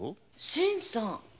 新さん？